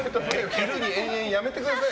昼にやめてください。